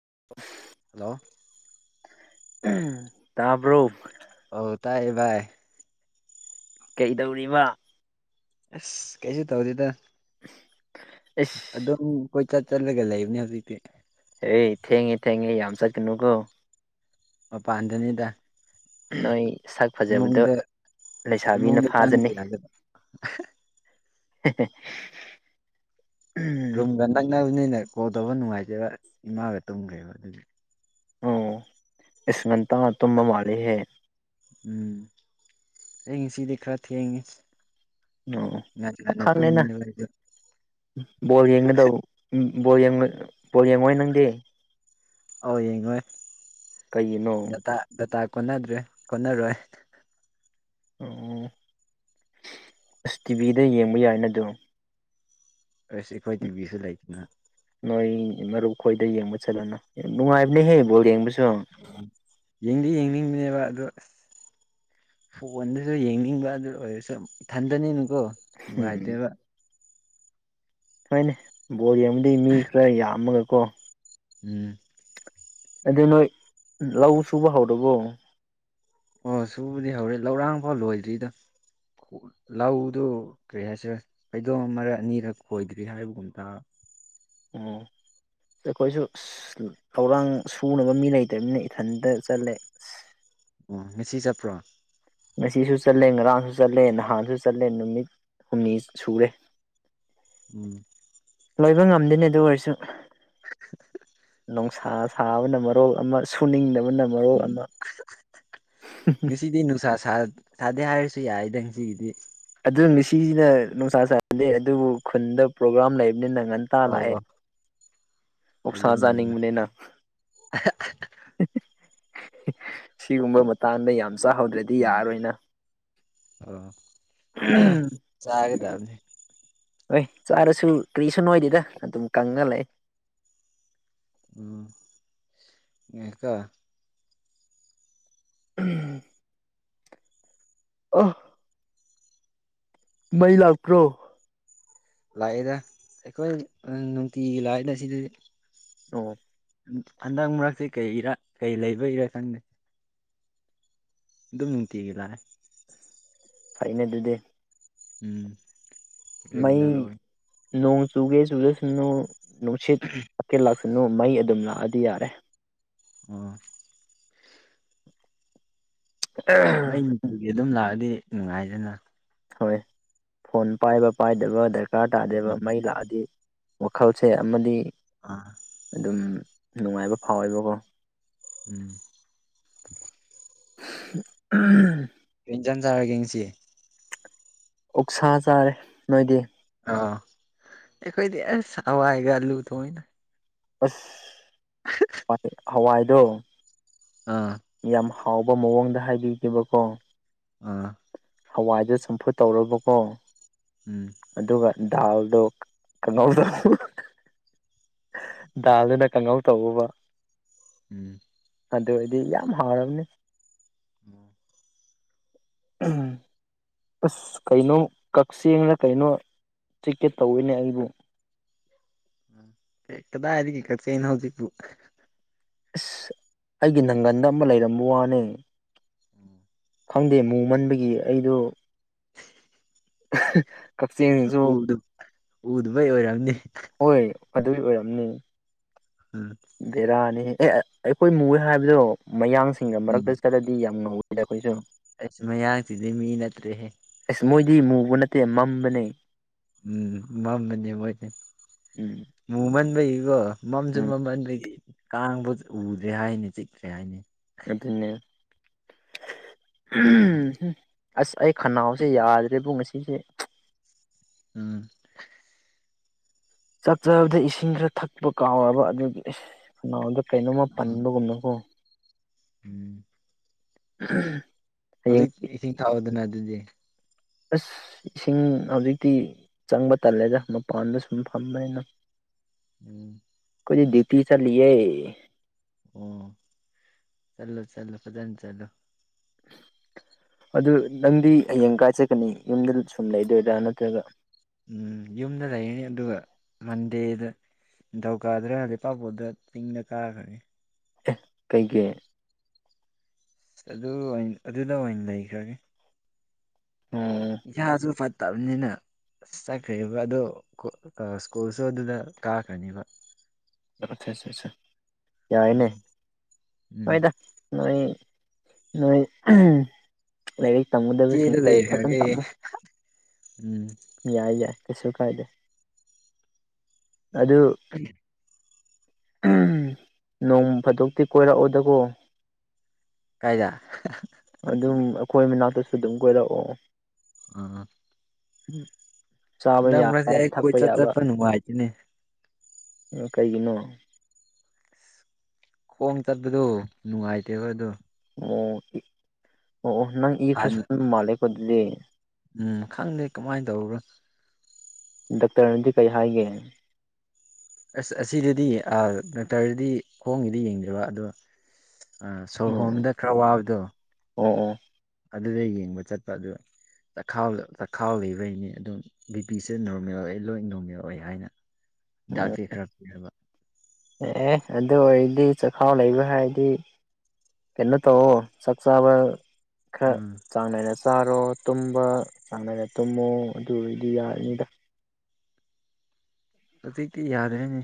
ꯍ [unintelligible] ꯍꯂꯣ ꯇꯥꯕꯔꯣ ꯑ ꯇꯥꯏꯌꯦ ꯚꯥꯏ ꯀꯩꯗꯧꯔꯤꯕ ꯑꯁ ꯀꯩꯁꯨ ꯇꯧꯗꯗ ꯑꯁ ꯑꯗꯨꯝ ꯀꯣꯏꯆꯠ ꯆꯠꯂꯒ ꯂꯩꯕꯅꯦ ꯍꯧꯖꯤꯛꯇꯤ ꯑꯦ ꯊꯦꯡꯉꯦ ꯊꯦꯉ ꯌꯥꯝ ꯆꯠꯅꯀꯣ ꯑꯣ ꯃꯄꯥꯟꯗꯅꯤꯗ ꯅꯣꯏ ꯁꯥꯥꯛ ꯐꯥꯖꯥꯕꯗꯣ ꯏꯃꯨꯡꯗ ꯂꯩꯁꯥꯕꯤꯅ ꯏꯃꯨꯡꯗ ꯆꯪꯕ ꯐꯥꯖꯅꯤ ꯌꯥꯗꯕ ꯑꯦ ꯔꯨꯝꯒ ꯅꯪꯅꯕꯅꯤꯅ ꯀꯣꯜ ꯇꯧꯕ ꯅꯨꯡꯉꯥꯏꯖꯦꯕ ꯏꯃꯥꯒ ꯇꯨꯝꯈ꯭ꯔꯦꯕ ꯑꯗꯨꯗꯤ ꯎ ꯏꯁ ꯉꯟꯇ ꯇꯨ ꯃ ꯃꯥꯂꯦ ꯍꯦ ꯎꯝ ꯑꯩ ꯉꯁꯤꯗꯤ ꯈꯔ ꯊꯦꯡꯉꯁꯤ ꯑꯣ ꯄꯈꯪꯅꯦꯅꯥ ꯑꯩꯗꯣ ꯕꯣꯜ ꯌꯦꯡꯒꯗꯧꯕ ꯕꯣꯔꯡꯉ ꯕꯣꯔ ꯌꯦꯡꯉꯣꯏ ꯅꯪꯗꯤ ꯑꯣ ꯌꯦꯡꯉꯣꯏ ꯀꯩꯒꯤꯅꯣ ꯗꯥꯇꯥ ꯀꯣꯟꯅꯗ꯭ꯔꯦ ꯀꯣꯟꯅꯔꯣꯏ ꯑꯁ ꯇꯤꯚꯤꯗ ꯌꯦꯡꯕ ꯌꯥꯏ ꯅ ꯑꯗꯨꯣ ꯑꯁ ꯑꯩꯈꯣꯏ ꯇꯤꯚꯤꯁꯨ ꯂꯩꯇꯅ ꯅꯣꯏ ꯃꯔꯨꯞ ꯈꯣꯏꯗ ꯌꯦꯡꯕ ꯆꯠꯂꯨꯅꯨ ꯌꯥꯝ ꯅꯨꯡꯉꯥꯏꯕꯅꯦꯍꯦ ꯕꯣꯜ ꯌꯦꯡꯕꯁꯨ ꯌꯦꯡꯗꯤ ꯌꯦꯡꯅꯤꯡꯕꯅꯦꯕ ꯑꯗꯣ ꯑꯁ ꯐꯣꯟꯗꯁꯨ ꯌꯦꯡꯅꯤꯡꯕ ꯑꯗꯨ ꯑꯣꯏꯔꯁꯨ ꯊꯟꯊꯅꯤꯅꯨꯀꯣ ꯎꯝ ꯅꯨꯡꯉꯥꯏꯇꯦꯕ ꯍꯣꯏꯅꯦ ꯕꯣꯜ ꯌꯦꯡꯕꯗꯤ ꯃꯤ ꯈꯔ ꯌꯥꯝꯃꯒꯀꯣ ꯎꯝ ꯑꯗꯨ ꯅꯣꯏ ꯂꯧ ꯁꯨꯕ ꯍꯧꯥꯎꯗꯕꯣ ꯑꯣ ꯁꯨꯕꯨꯗꯤ ꯍꯧꯔꯦ ꯂꯧꯔꯥꯡ ꯐꯥꯎ ꯂꯣꯏꯗ꯭ꯔꯤꯗ ꯂꯧꯗꯨ ꯀꯔꯤ ꯍꯥꯏꯁꯤꯔ ꯀꯗꯣꯝ ꯃꯔꯛ ꯑꯅꯤꯔꯛ ꯈꯣꯏꯗ꯭ꯔꯤ ꯍꯥꯏꯕꯒꯨꯝꯇ [unintelligible] ꯎꯝ ꯑꯩꯈꯣꯏꯁꯨ ꯂꯧꯧꯔꯥꯡ ꯁꯨꯅꯕ ꯃꯤ ꯂꯩꯇꯕꯅꯤꯅ ꯏꯊꯟꯇ ꯆꯠꯂꯦ ꯑꯁ ꯑꯣ ꯉꯁꯤ ꯆꯠꯄ꯭ꯔꯣ ꯉꯁꯤꯁꯨ ꯆꯠꯂꯦ ꯉꯔꯥꯡꯁꯨ ꯆꯠꯂꯦ ꯅꯍꯥꯟꯁꯨ ꯆꯠꯂꯦ ꯅꯨꯃꯤꯠ ꯍꯨꯝꯅꯤ ꯁꯨꯔꯦ ꯎꯝ ꯂꯣꯏꯕ ꯉꯝꯗꯣꯏꯅꯤ ꯑꯗꯨ ꯑꯣꯏꯔꯁꯨ [inaudible] ꯅꯨꯡꯁꯥ ꯁꯥꯕꯅ ꯃꯔꯣꯜ ꯑꯃ ꯁꯨꯅꯤꯡꯗꯕ ꯎꯝ ꯁꯤꯗꯅꯅꯨꯡꯁꯥ ꯁꯥ ꯆꯥꯗꯦ ꯍꯥꯏꯔꯁꯨ ꯌꯥꯏ ꯅꯪ ꯁꯤꯒꯤꯗꯤ ꯑꯗꯨ ꯃꯤꯁꯤꯁꯤꯅ ꯅꯨꯡꯁꯥ ꯆꯥꯗꯦ ꯑꯗꯨꯕꯨ ꯈꯨꯟꯗ ꯄ꯭ꯔꯣꯒ꯭ꯔꯥꯝ ꯂꯩꯕ ꯅꯤ ꯅ ꯉꯟꯇꯥ ꯑꯣ ꯂꯥꯛꯑꯦ ꯑꯣꯞꯁꯥ ꯑꯗꯨꯅꯤꯗꯅ ꯆꯥꯅꯤꯡꯕꯅꯤꯅ ꯁꯤꯒꯨꯝꯕ ꯃꯇꯥꯡꯗ ꯌꯥꯝ ꯆꯥꯍꯧꯗ꯭ꯔꯗꯤ ꯌꯥꯔꯔꯣꯏꯅ ꯆꯥꯒꯦꯗꯕꯅꯤ ꯍꯣꯏ ꯆꯥꯔꯁꯨ ꯀꯔꯤꯁꯨ ꯅꯣꯏꯗꯦꯗ ꯑꯗꯨꯝ ꯀꯪꯅ ꯂꯩ ꯎꯝ ꯏꯀ ꯎꯝ ꯑ ꯃꯩꯂꯥ ꯀ꯭ꯔꯣ ꯂꯥꯛꯏꯗ ꯑꯩꯈꯣꯏ ꯅꯨꯡꯇꯤꯒꯤ ꯂꯥꯛꯏꯅ ꯑꯁꯤꯗ ꯑꯣ ꯍꯟꯗꯛ ꯃꯔꯛꯁꯤ ꯀꯩ ꯏꯔꯥ ꯀꯩ ꯂꯩꯕ ꯏꯔꯥ ꯈꯪꯗꯦ ꯑꯗꯨꯝ ꯅꯨꯡꯇꯤꯒ ꯂꯔꯦ ꯍꯥꯏꯩꯅ ꯑꯗꯨꯗꯤ ꯎꯝ ꯔꯦꯒꯨꯂꯔ ꯑꯣꯏ ꯅꯣꯡꯣꯡ ꯆꯨꯒꯦ ꯆꯨꯗꯁꯣꯡ ꯅꯅꯨꯡꯁꯦꯠꯦꯔ ꯂꯥꯛ ꯅꯨ ꯃꯩ ꯑꯗꯨꯝ ꯂꯥꯛꯑꯗꯤ ꯌꯥꯔꯦ ꯑꯣ ꯃꯩ ꯅꯨꯡꯇꯤꯒꯤ ꯑꯗꯨꯝ ꯂꯥꯛꯑꯗꯤ ꯅꯨꯡꯉꯥꯏꯗꯅ ꯍꯣꯏ ꯐꯣꯟ ꯄꯥꯏꯕ ꯄꯥꯏꯗꯕ ꯗꯔꯀꯥꯔ ꯇꯥꯗꯦꯕ ꯎꯝ ꯃꯩ ꯂꯥꯛꯑꯗꯤ ꯋꯥꯈꯜꯁꯦ ꯑꯃꯗꯤ ꯑꯥ ꯑꯗꯨꯝ ꯅꯨꯡꯉꯥꯏꯕ ꯐꯥꯎꯋꯦꯕꯀꯣ ꯎꯝ ꯑꯥ ꯏꯟꯖꯥꯡ ꯆꯔꯒꯡꯁꯤ ꯑꯣꯛꯁꯥ ꯆꯥꯔꯦ ꯅꯣꯏꯗꯤ ꯑꯥ ꯑꯩꯈꯣꯏꯗꯤ ꯆꯋꯥꯥꯏꯒꯂꯨ ꯊꯑꯣꯣꯏꯅ ꯑꯥꯁ ꯍꯏ ꯍꯋꯥꯏꯗꯣ ꯑꯥ ꯌꯥꯝ ꯍꯥꯎꯕ ꯃꯑꯣꯡꯗ ꯍꯥꯏꯕꯤꯈꯤꯕꯀꯣ ꯑꯥ ꯍꯋꯥꯏꯗ ꯆꯨꯝꯐꯨꯠ ꯇꯧꯔꯕꯀꯣ ꯎꯝ ꯗꯥꯎꯗꯣ ꯀꯩꯅꯣꯜꯗꯣ ꯗꯥꯜꯗꯨꯅ ꯀꯥꯡꯍꯧ ꯇꯧꯎꯕ ꯎꯝ ꯑꯗꯨ ꯑꯣꯏꯔꯗꯤ ꯌꯥꯝ ꯍꯥꯎꯔꯅꯤ ꯎꯝ ꯎꯝ ꯑꯁ ꯀꯩꯅꯣ ꯀꯛꯆꯦꯡꯅ ꯀꯩꯅꯣ ꯆꯤꯀꯦꯠ ꯇꯧꯋꯤꯅꯦ ꯑꯩꯕꯨ ꯀꯦꯛ ꯀꯗꯥꯏꯔꯤꯒꯦ ꯀꯠꯆꯦꯅꯣ ꯍꯧꯖꯤꯛꯄꯨ ꯏꯁ ꯑꯩꯒꯤ ꯅꯪꯒꯟꯗ ꯑꯃ ꯂꯩꯔꯝꯕ ꯋꯥꯅꯦ ꯎꯝ ꯈꯪꯗꯦ ꯃꯨ ꯃꯟꯕꯒꯤ ꯑꯩꯗꯣ ꯀꯛꯆꯤꯡꯁꯨꯨ ꯎꯗꯨꯕꯩ ꯑꯣꯏꯔꯝꯅꯤ ꯍꯣꯏ ꯑꯗꯨꯏ ꯑꯣꯏꯔꯝꯅꯤ ꯎꯝ ꯗꯦꯔꯥꯅꯤ ꯑꯦ ꯑꯩꯈꯣꯏ ꯃꯨꯦ ꯍꯥꯏꯕꯗꯣ ꯃꯌꯥꯡꯁꯤꯡꯒ ꯃꯔꯛꯇ ꯆꯠꯂꯗꯤ ꯌꯥꯝ ꯉꯧꯋꯦ ꯁꯤꯗꯁꯨ ꯑꯁ ꯃꯌꯥꯁꯤꯗꯤ ꯃꯤ ꯅꯠꯇ꯭ꯔꯦꯍꯦ ꯑꯁ ꯃꯣꯏꯗꯤ ꯃꯨꯕ ꯅꯠꯇꯦ ꯃꯝꯕꯅꯦ ꯎꯝ ꯃꯝꯕꯅꯦ ꯃꯣꯏꯅꯦ ꯎꯝ ꯃꯃꯟꯕꯒꯤꯀꯣ ꯃꯝꯁꯨ ꯎꯝ ꯃꯃꯟꯗꯒꯤ ꯀꯥꯡꯕꯨ ꯎꯗ꯭ꯔꯦ ꯍꯥꯏꯅꯤ ꯆꯤꯛꯇ꯭ꯔꯦ ꯍꯥꯏꯅꯤ ꯑꯗꯨꯅꯦ ꯎꯝ ꯑꯁ ꯑꯩ ꯈꯅꯥꯎꯁꯦ ꯌꯥꯗ꯭ꯔꯦꯕꯨ ꯉꯁꯤꯁꯦ ꯎꯝ ꯆꯥꯛ ꯆꯔꯕꯗ ꯏꯁꯤꯡ ꯈꯔ ꯊꯛꯄ ꯀꯥꯎꯔꯕ ꯑꯗꯨꯗ ꯀꯩꯅꯣꯝꯃ ꯎꯝ ꯄꯟꯕꯒꯨꯝꯅꯀꯣ ꯎꯝ ꯎꯝ ꯑꯣꯗꯤ ꯏꯁꯤꯡ ꯊꯥꯕꯗꯅꯗꯨꯗꯤ ꯑꯁ ꯏꯁꯤꯡ ꯍꯧꯖꯤꯛꯇꯤ ꯆꯪꯕ ꯇꯜꯂꯦꯗꯥ ꯃꯄꯥꯟꯗ ꯁꯨꯝ ꯐꯝꯕꯅꯤꯅ ꯎꯝ ꯀꯣꯏ ꯗꯗꯤꯌꯇꯤ ꯆ ꯂ ꯑꯣ ꯆꯂꯣ ꯆꯂꯣ ꯄꯇꯥꯅꯤ ꯆꯂꯣ ꯑꯗꯨ ꯅꯪꯗꯤ ꯍꯌꯦꯡ ꯀꯥꯏ ꯆꯠꯀꯅꯤ ꯌꯨꯝꯗ ꯁꯨꯝ ꯂꯩꯗꯣꯏꯔꯥ ꯅꯠꯇ꯭ꯔꯒ ꯎꯝ ꯌꯨꯝꯗ ꯂꯩꯔꯅꯤ ꯑꯗꯨꯒ ꯃꯟꯗꯦꯗ ꯅꯤꯡꯊꯧ ꯀꯥꯗ꯭ꯔꯦ ꯍꯧꯗꯤ ꯏ ꯄꯄꯨꯗ ꯇꯤꯡꯗ ꯀꯥꯈ꯭ꯔꯦ ꯀꯩꯀꯩ ꯑꯗꯨ ꯑꯗꯨꯗ ꯑꯣꯏꯅ ꯂꯩꯈ꯭ꯔꯒꯦ ꯎꯝ ꯌꯥꯁꯨꯕꯨ ꯄꯠꯇꯅ ꯑꯁ ꯆꯠꯈ꯭ꯔꯤꯕ ꯑꯗꯣ ꯁ꯭ꯀꯨꯜꯁꯨꯣ ꯑꯗꯨꯗ ꯀꯥꯈ꯭ꯔꯅꯦꯕ ꯑ ꯑ ꯑ ꯌꯥꯏꯅꯦ ꯎꯝ ꯎꯝ ꯍꯣꯏꯗ ꯅꯣꯏ ꯅꯣꯏ ꯂꯥꯏꯔꯤꯛ ꯏꯆꯦꯗ ꯇꯝꯒꯨꯗꯕꯁꯤꯡꯁꯤ ꯐꯖꯅ ꯂꯩꯈ꯭ꯔꯒꯦ ꯇꯝꯃꯨ ꯎꯝ ꯀꯁꯨ ꯀꯥꯏꯗꯦ ꯑꯗꯨ ꯅꯣꯡ ꯐꯥꯗꯣꯛꯇꯤ ꯀꯣꯏꯔꯛꯑꯣꯗꯀꯣ ꯀꯥꯏꯗ ꯑꯗꯨꯝ ꯑꯩꯈꯣꯏ ꯃꯅꯥꯛꯇꯁꯨ ꯑꯗꯨꯝ ꯀꯣꯏꯔꯛꯑꯣ ꯑ ꯆꯥꯕ ꯌꯥꯕ ꯑꯩ ꯊꯛꯄ ꯀꯣꯏꯆꯠ ꯌꯥꯕ ꯆꯠꯄ ꯅꯨꯡꯉꯥꯏꯇꯦꯅꯦ ꯀꯩꯒꯤꯅꯣ ꯈꯣꯡ ꯆꯠꯄꯗꯨꯣ ꯅꯨꯡꯉꯥꯏꯇꯦ ꯍꯣꯏ ꯑꯗꯣ ꯑꯣ ꯑꯣ ꯑꯣ ꯅꯪ ꯏ ꯐꯁ ꯍꯥꯟꯅ ꯃꯥꯂꯀ ꯑꯗꯨꯗꯤ ꯎꯝ ꯈꯪꯗꯦ ꯀꯃꯥꯏꯅ ꯇꯧꯕꯔꯣ ꯗꯥꯛꯇꯔ ꯔꯟꯖꯤ ꯀ ꯏꯍꯏꯒ ꯑꯁ ꯑꯁꯤꯗꯗꯤ ꯗꯥꯛꯇꯔꯗꯤ ꯈꯣꯡꯒꯤꯗꯤ ꯌꯦꯡꯗ꯭ꯕ ꯑꯗꯣ ꯑ ꯁꯣꯔ ꯍꯣꯝꯗ ꯈꯔ ꯋꯥꯕꯗꯣ ꯎꯝ ꯎꯝ ꯑꯗꯨꯗ ꯌꯦꯡꯕ ꯆꯠꯄ ꯑꯗꯨ ꯆ ꯆꯈꯥꯎꯂꯤꯕꯩꯅꯤ ꯑꯗꯨꯝ ꯕꯤ ꯄꯤꯁꯦ ꯅꯣꯔꯃꯦꯜ ꯑꯣꯏ ꯂꯣꯏ ꯅꯣꯔꯃꯦꯜ ꯑꯣꯏ ꯍꯥꯏꯅ ꯎꯝ ꯗꯥꯛꯀꯤ ꯈꯔ ꯍꯥꯏꯕ ꯑꯦ ꯑꯦ ꯑꯗꯨ ꯑꯣꯏꯔꯗꯤ ꯆꯈꯥꯎ ꯂꯩꯕ ꯍꯥꯏꯔꯗꯤ ꯀꯩꯅꯣ ꯇꯧꯑꯣ ꯆꯥꯛ ꯆꯥꯕ ꯈꯔ ꯎꯝ ꯆꯥꯡ ꯅꯥꯏꯅ ꯆꯥꯔꯣ ꯇꯨꯝꯕ ꯆꯥꯟꯅꯅ ꯇꯨꯝꯃꯣ ꯑꯗꯨ ꯑꯣꯏꯔꯗꯤ ꯌꯥꯔꯅꯤꯗ ꯍꯧꯁꯤ ꯀ ꯌꯥꯗꯅꯦꯅꯤ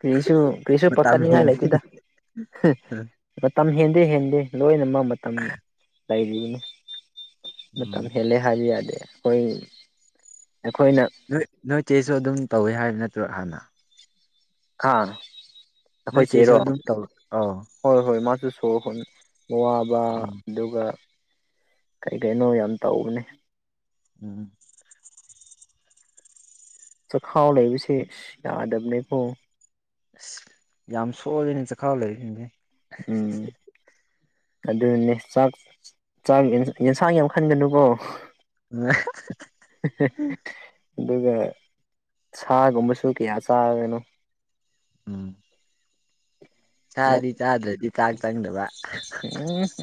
ꯀꯔꯤꯁꯨ ꯀꯔꯤꯁꯨ ꯃꯇꯝ ꯄꯥꯈꯠꯅꯤꯡꯉꯥꯏ ꯂꯩꯇꯗ ꯍꯦꯟꯈꯤꯅꯤ ꯃꯇꯝ ꯍꯦꯟꯗꯦ ꯍꯦꯟꯗꯦ ꯂꯣꯏꯅꯃꯛ ꯃꯇꯝ ꯂꯩꯔꯤꯕꯅꯤ ꯎꯝ ꯃꯇꯝꯇꯝ ꯍꯦꯜꯂꯦ ꯍꯥꯏꯕꯤꯗꯦ ꯑꯩꯈꯣꯏ ꯑꯩꯈꯣꯏꯅ ꯅꯣꯏ ꯅꯣꯏ ꯆꯦꯁꯨ ꯑꯗꯨꯝ ꯇꯧꯋꯤ ꯍꯥꯏꯕ ꯅꯠꯇ꯭ꯔꯣ ꯍꯥꯟꯅ ꯑꯥ ꯅꯣꯏ ꯑꯩꯈꯣꯏ ꯆꯦꯁꯨ ꯆꯦꯔꯣ ꯑꯗꯨꯝ ꯇꯧ ꯑꯧ ꯍꯣꯏ ꯍꯣꯏ ꯃꯥꯁꯨ ꯁꯣꯛ ꯍꯅꯤ ꯋꯥꯕ ꯎꯝ ꯑꯗꯨꯒ ꯀꯩ ꯀꯩꯅꯣ ꯌꯥꯝ ꯇꯧꯕꯅꯤ ꯎꯝ ꯆꯈꯥꯎ ꯂꯩꯕꯁꯦ ꯁꯤ ꯌꯥꯗꯕꯅꯦꯀꯣ ꯑꯁ ꯌꯥꯝ ꯁꯣꯜꯂꯤꯅꯦ ꯆꯈꯥ ꯂꯩꯔꯤꯅꯦ ꯎꯝ ꯑꯗꯨꯅꯦ ꯆꯥꯛ ꯆꯥꯛ ꯌꯦꯟꯁꯥꯡ ꯌꯥꯝ ꯈꯟꯒꯅꯨꯀꯣ ꯃ ꯑꯗꯨꯒ ꯁꯥꯒꯨꯝꯕꯁꯨ ꯀꯌꯥ ꯆꯥꯒꯅꯣ ꯎꯝ ꯎꯝ ꯆꯥꯗꯤ ꯆꯥꯗ꯭ꯔꯗꯤ ꯆꯥꯛ ꯆꯪꯗꯕ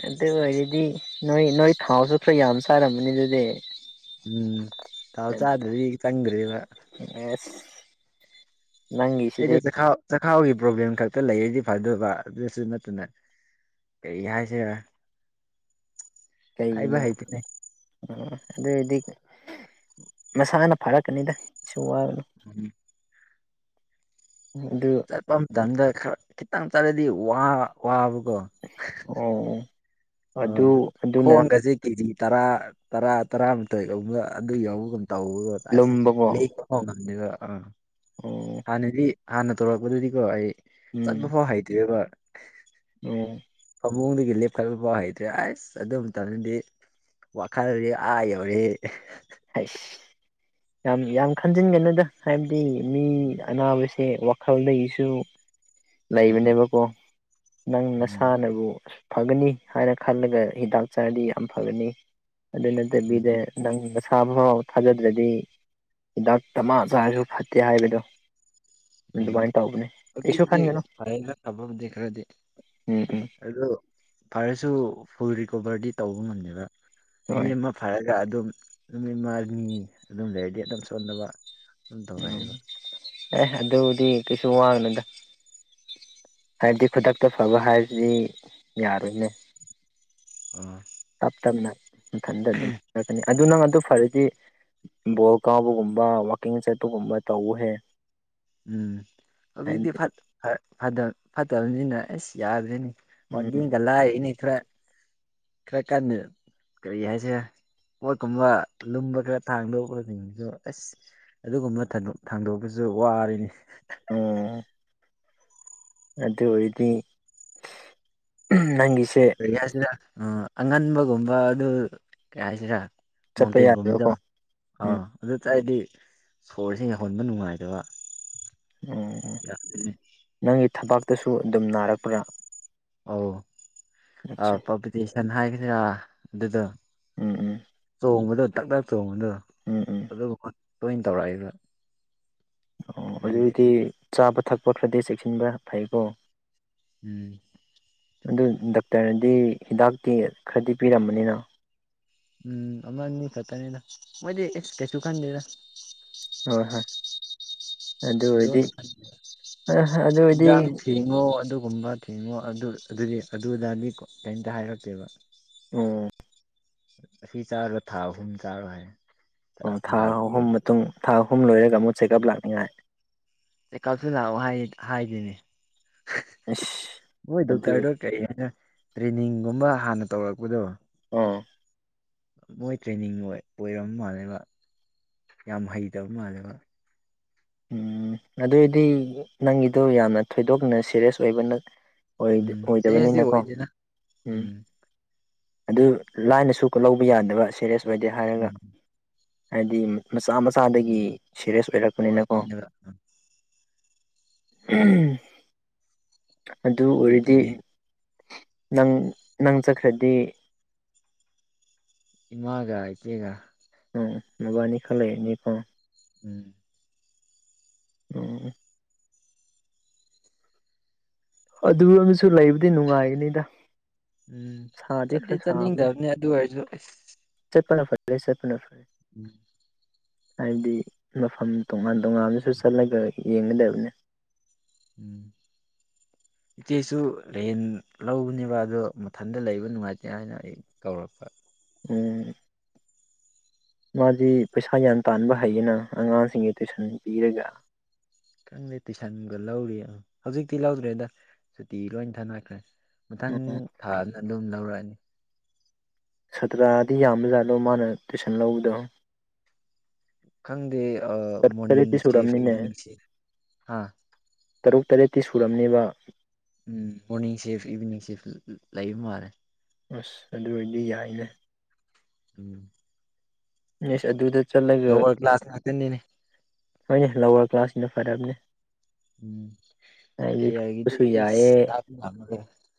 ꯑꯦꯇ ꯑꯣꯏꯗꯤ ꯅꯣꯏ ꯅꯣꯏ ꯊꯥꯎꯁꯨ ꯈꯔ ꯌꯥꯝ ꯆꯥꯔꯝꯕꯅꯤ ꯑꯗꯨꯗꯤ ꯎꯝ ꯇꯥꯎ ꯆꯗꯦꯒ ꯆꯪꯔꯤꯂ ꯑꯁ ꯅꯪꯒꯤꯁꯤꯗꯤ ꯑꯩꯗ ꯆꯈꯥꯎ ꯆꯈꯥꯎꯒꯤ ꯄ꯭ꯔꯣꯕ꯭ꯂꯦꯝ ꯈꯛꯇ ꯂꯩꯔꯗꯤ ꯐꯗꯕ ꯑꯗꯨꯁꯨ ꯅꯠꯇꯅ ꯀꯔꯤ ꯍꯥꯏ ꯍꯥꯏꯁꯦ ꯀꯩꯅ ꯑ ꯑꯗꯨꯏꯗꯤ ꯃꯁꯥꯅ ꯐꯥꯔꯛꯀꯅꯤꯗ ꯇꯨꯋꯥꯟ ꯆꯠꯄ ꯃꯇꯝꯗꯔ ꯈꯤꯇꯪ ꯆꯠꯂꯗꯤ ꯋꯥ ꯋꯥꯕ ꯑꯣ ꯑ ꯑꯗꯨ ꯑꯗꯨꯅ ꯈꯣꯡꯒꯁꯦ ꯀꯦꯖꯤ ꯇꯔꯥ ꯇꯔꯥ ꯇꯔꯥꯃꯊꯣꯏꯒꯕ ꯑꯗꯨ ꯌꯥꯎꯕ ꯉꯝ ꯇꯧꯕ ꯑꯁ ꯂꯨꯝꯕꯀꯣ ꯂꯩ ꯐꯣꯡꯉꯗꯕ ꯑꯥ ꯑꯣ ꯍꯥꯟꯅꯗꯤ ꯍꯥꯟꯅ ꯇꯧꯔꯛꯄꯗꯨꯗꯤꯀꯣ ꯑꯩ ꯆꯠꯄ ꯎꯝ ꯐꯥꯎ ꯍꯩꯇꯦꯕ ꯑꯣ ꯃꯑꯣꯡꯗꯒꯤ ꯂꯦꯞꯄ ꯐꯕꯥꯎ ꯍꯩꯇ꯭ꯔꯦ ꯑꯁ ꯑꯗꯨꯝ ꯇꯅꯤꯗꯤ ꯋꯥꯈꯜꯔꯤ ꯑꯥ ꯌꯧꯔꯤ ꯍꯁ ꯌꯥꯝ ꯌꯥꯝ ꯈꯟꯖꯤꯟꯒꯅꯨꯗ ꯍꯥꯏꯕꯗꯤ ꯃꯤ ꯎꯝ ꯑꯅꯥꯕꯁꯤ ꯋꯥꯈꯜꯗꯒꯤꯁꯨ ꯂꯩꯕꯅꯦꯕꯀꯣ ꯅꯪ ꯎꯝ ꯅꯁꯥꯟꯅꯕꯨ ꯐꯒꯅꯤ ꯍꯥꯏꯅ ꯈꯜꯂꯒ ꯍꯤꯗꯥꯛ ꯆꯥꯔꯗꯤ ꯌꯥꯝ ꯐꯒꯅꯤ ꯑꯗꯨ ꯎꯝ ꯅꯠꯇꯕꯤꯗ ꯅꯪ ꯁꯥꯕ ꯐꯥꯎ ꯊꯥꯖꯗ꯭ꯔꯗꯤ ꯍꯤꯗꯥꯛ ꯇ ꯑꯃ ꯆꯥꯔꯁꯨ ꯐꯠꯇꯦ ꯍꯥꯏꯕꯗꯣ ꯎ ꯑꯗꯨꯃꯥꯏꯅ ꯇꯧꯕꯅꯦ ꯀꯩꯁꯨ ꯑꯗꯨꯖꯤꯛꯕꯨꯗꯤ ꯈꯟꯒꯅꯨ ꯐꯅ ꯊꯕꯕꯨꯗꯤ ꯈꯔꯗꯤ ꯎꯝ ꯎꯝ ꯑꯗꯨꯣ ꯄꯔꯁꯨ ꯐꯨꯔ ꯣꯕꯔꯗꯤ ꯇꯧꯕ ꯉꯝꯗꯕ ꯅꯨ ꯍꯣꯏ ꯑꯃ ꯐ ꯈ ꯑꯗꯨꯝ ꯏꯃꯥ ꯃꯤ ꯑꯗꯨꯝ ꯂꯩꯔꯗꯤ ꯑꯗꯨꯝ ꯁꯣꯟꯅꯕ ꯎꯝ ꯇꯔꯥꯏꯕ ꯑꯦ ꯑꯗꯨꯕꯨꯗꯤ ꯀꯩꯁꯨ ꯋꯥꯅꯗ ꯍꯥꯏꯕꯗꯤ ꯈꯨꯗꯛꯇ ꯐꯕ ꯍꯥꯏꯁꯤꯗꯤ ꯌꯥꯔꯣꯏꯅꯦ ꯑ ꯇꯞ ꯇꯞꯅ ꯃꯊꯟꯗ ꯑꯗꯨꯝꯔꯛꯀꯅꯤ ꯑꯗꯨ ꯅꯪ ꯑꯗꯨ ꯐꯔꯗꯤ ꯕꯣꯜ ꯀꯥꯎꯕꯒꯨꯝꯕ ꯋꯥꯋꯀꯤꯡ ꯆꯠꯄꯒꯨꯝꯕ ꯇꯧꯍꯦ ꯎꯝ ꯍꯧꯖꯤꯛꯇꯤ ꯍꯥꯏꯗꯤ ꯐꯠꯇꯕꯅꯤꯅ ꯑꯩꯁ ꯌꯥꯗ꯭ꯔꯦꯅꯤ ꯎꯝ ꯃꯒꯂ ꯏꯅꯤꯊ꯭ꯔ ꯈꯔ ꯀꯟꯅꯗ ꯀꯔꯤ ꯍꯥꯏꯁꯦ ꯄꯣꯠꯀꯨꯝꯕ ꯂꯨꯝꯕ ꯈꯔ ꯊꯥꯡꯗꯣꯛ ꯈꯁꯤꯡꯁꯨ ꯑꯁ ꯑꯗꯨꯒꯨꯝꯕ ꯊꯥꯡꯗꯣꯛꯄꯁꯨ ꯑꯗꯨ ꯋꯥꯔꯤꯅꯤ ꯑꯣꯝ ꯑꯗ ꯑꯣꯏꯗꯤ ꯅꯪꯤ ꯀꯔꯤ ꯍꯥꯏꯁꯤꯔꯥ ꯎ ꯑꯉꯟꯕꯒꯨꯝꯕ ꯑꯗꯨ ꯀꯔꯤ ꯍꯥꯏꯁꯤꯔꯥ ꯆꯠꯄ ꯃꯥꯎꯟꯇꯦꯟꯒꯨꯝꯃꯤꯗ ꯌꯥꯗꯕꯀꯣ ꯎꯝ ꯑꯥ ꯑꯗꯨ ꯉꯁ ꯍꯥꯏꯗꯤ ꯁꯣꯔꯁꯤ ꯌꯧꯍꯟꯕ ꯅꯨꯡꯉꯥꯏꯇꯕ ꯎꯝ ꯎ ꯌꯥꯗꯦꯅꯦ ꯅꯪꯒꯤ ꯊꯕꯇꯁꯨ ꯑꯗꯨꯝ ꯅꯥꯔꯛꯄ꯭ꯔꯥ ꯑꯧ ꯑ ꯑꯠꯆꯥ ꯄꯇꯤꯁꯟ ꯍꯥꯏꯒꯗꯔꯥ ꯑꯗꯨꯗ ꯎꯝ ꯎꯝ ꯆꯣꯡꯕꯗꯣ ꯇꯥꯛ ꯇꯥꯛ ꯆꯣꯡꯕꯗꯣ ꯎꯝ ꯎꯝ ꯑꯗꯨ ꯇꯣꯏ ꯇꯧꯔꯛꯏꯕ ꯑꯣ ꯑꯗꯨꯗꯤ ꯆꯥꯕ ꯊꯛꯄ ꯈꯔꯗꯤ ꯆꯦꯛꯁꯤꯟꯕ ꯐꯩꯀꯣ ꯎꯝ ꯑꯗꯨ ꯗꯥꯛꯇꯔꯅꯗꯤ ꯍꯤꯗꯥꯛꯇꯤ ꯈꯔꯗꯤ ꯄꯤꯔꯝꯕꯅꯤꯅ ꯎꯝ ꯑ ꯃꯤ ꯈꯠꯇꯅꯤꯗ ꯃꯣꯏꯗꯤꯁ ꯀꯩꯁꯨ ꯈꯥꯟꯗꯦꯗ ꯍꯣꯏ ꯍꯣꯏ ꯑꯗꯨ ꯑꯣꯏꯔꯗꯤ ꯊꯤꯗꯣꯛꯅ ꯈ ꯑꯗꯨ ꯑꯣꯏꯔꯗꯤ ꯁꯤꯤꯗꯝ ꯊꯦꯡꯉꯣ ꯑꯗꯨ ꯒꯨꯝꯕ ꯊꯤꯡꯉꯣ ꯑꯗꯨ ꯑꯗꯨꯗꯤ ꯑꯗꯨꯗꯥꯗꯤꯣ ꯀꯩꯝꯇ ꯍꯥꯏꯔꯀꯦꯕ ꯎꯝ ꯑꯁꯤ ꯆꯥꯔꯣ ꯊꯥ ꯑꯍꯨꯝ ꯆꯥꯔꯣꯏ ꯍꯥꯏ ꯑꯣ ꯊꯥ ꯍꯤꯗꯥꯛ ꯑꯍꯨꯝ ꯄꯤꯔꯒ ꯃꯇꯨꯡ ꯊꯥ ꯑꯍꯨꯝ ꯂꯣꯏꯔꯒ ꯑꯃꯨꯛ ꯆꯦꯛꯑꯞ ꯂꯥꯛꯅꯤꯡꯉꯥꯏ ꯀꯁꯨꯅ ꯍꯥꯏ ꯍꯥꯏꯗꯅꯦ ꯑꯁ ꯃꯣꯏ ꯑꯗꯨ ꯗꯣꯛꯇꯔꯗꯣ ꯀꯔꯤ ꯍꯥꯏꯅ ꯇ꯭ꯔꯦꯅꯤꯡꯒꯨꯝꯕ ꯍꯥꯟꯅ ꯇꯧꯔꯛꯄꯗꯣ ꯑꯝ ꯃꯣꯏ ꯇ꯭ꯔꯦꯅꯤꯡ ꯑꯣꯏ ꯑꯣꯏꯔꯕ ꯃꯥꯜꯂꯦꯕ ꯌꯥꯝ ꯍꯩꯇꯕ ꯃꯥꯜꯂꯦꯕ ꯎꯝ ꯑꯗꯨꯏꯗꯤ ꯅꯪꯒꯤꯗꯣ ꯌꯥꯝꯅ ꯊꯣꯏꯗꯣꯛꯅ ꯁꯦꯔꯤꯌꯁ ꯑꯣꯏꯕꯅ ꯎꯝ ꯁꯦꯔꯤꯌꯁꯇꯤ ꯑꯣꯏꯗꯕꯅꯤꯅꯀꯣ ꯑꯣꯏꯗꯦꯅ ꯎꯝ ꯑꯗꯨ ꯂꯥꯏꯅꯁꯨ ꯂꯧꯕ ꯌꯥꯗꯕ ꯁꯦꯔꯤꯌꯁ ꯑꯣꯏꯗꯦ ꯍꯥꯏꯔꯒ ꯎꯝ ꯍꯥꯏꯗꯤ ꯃꯆꯥ ꯃꯆꯥꯗꯒꯤ ꯁꯦꯔꯤꯌꯁ ꯑꯣꯏꯔꯛꯄꯅꯤꯅ ꯊ ꯑꯗꯨ ꯑꯣꯏꯔꯗꯤ ꯑꯗꯨꯒꯤꯅꯦ ꯅꯪ ꯅꯪ ꯆꯠꯈ꯭ꯔꯗꯤ ꯏꯃꯥꯒ ꯏꯆꯦꯒ ꯎꯝ ꯃꯕꯥꯅꯤ ꯈꯂꯅꯤꯀꯣ ꯎꯝ ꯑꯣ ꯑꯗꯨ ꯑꯃꯁꯨ ꯂꯩꯕꯨꯗꯤ ꯅꯨꯡꯉꯥꯏꯅꯤꯗ ꯎꯝ ꯆꯠꯇꯠꯇ ꯆꯠꯅꯤꯡꯗꯕꯅꯤ ꯑꯗꯨ ꯑꯣꯏꯔꯁꯨ ꯑꯁ ꯂꯦꯁꯦꯅꯔ꯭ꯔꯦ ꯎꯝ ꯍꯥꯏꯕꯗꯤ ꯃꯐꯝ ꯇꯣꯉꯥꯟ ꯇꯣꯉꯥꯟꯕꯁꯨ ꯆꯠꯂꯒ ꯌꯦꯡꯒꯗꯕꯅꯤ ꯎꯝ ꯏꯆꯦꯁꯨ ꯔꯦꯟ ꯂꯧꯕꯅꯦꯕ ꯑꯗꯣ ꯃꯊꯟꯇ ꯂꯩꯕ ꯅꯨꯡꯉꯥꯏꯇꯦ ꯍꯥꯏꯅ ꯑꯩ ꯀꯧꯔꯛꯄ ꯎꯝ ꯃꯥꯗꯤ ꯄꯩꯁꯥ ꯌꯥ꯭ꯌꯥꯟ ꯇꯥꯟꯕ ꯍꯩꯌꯦꯅ ꯑꯉꯥꯡꯁꯤꯡꯒꯤ ꯇꯨꯏꯁꯟ ꯄꯤꯔꯒ ꯈꯪꯗꯦ ꯇꯨꯏꯁꯟꯒ ꯂꯧꯔꯤ ꯍꯧꯖꯤꯛꯇꯤ ꯂꯧꯗ꯭ꯔꯦꯗ ꯁꯨꯇꯤ ꯂꯣꯏ ꯊꯥꯅꯈ꯭ꯔꯦ ꯃꯊꯪ ꯎꯝ ꯊꯥꯅ ꯑꯗꯨꯝ ꯂꯧꯔꯛꯑꯅꯤ ꯁꯥꯇ꯭ꯔꯗꯤ ꯌꯥꯝꯕꯖꯥꯠꯂꯣ ꯃꯥꯅ ꯇꯨꯏꯁꯟ ꯂꯧꯕꯗꯣ ꯈꯪꯗꯦ ꯇꯔꯦꯠꯇꯤ ꯃꯣꯔꯅꯤꯡꯁꯦ ꯁꯨꯔꯝꯅꯤꯅꯦ ꯏꯚꯤꯅꯤꯡꯁꯦ ꯍꯥ ꯇꯔꯨꯛ ꯇꯔꯦꯠꯇꯤ ꯁꯨꯔꯝꯅꯦꯕ ꯎꯝ ꯃꯣꯔꯅꯤꯡ ꯁꯤꯐ ꯏꯚꯤꯅꯤꯡ ꯁꯤꯐ ꯂꯩꯕ ꯃꯥꯜꯂꯦ ꯑꯁ ꯑꯗꯨ ꯑꯣꯏꯔꯗꯤ ꯌꯥꯏꯅꯦ ꯎꯝ ꯑꯁ ꯑꯗꯨꯗ ꯆꯠꯂꯒ ꯂꯥꯋꯔ ꯀ꯭ꯂꯥꯁ ꯉꯥꯛꯇꯅꯤꯅꯦ ꯍꯣꯏꯅꯦ ꯂꯋꯥꯔ ꯀ꯭ꯂꯥꯁꯁꯤꯅ ꯐꯔꯕꯅꯦ ꯎꯝ ꯍꯥꯏꯗꯤ ꯍꯌꯦꯗꯤ ꯐꯕꯁꯨ ꯌꯥꯏꯌꯦ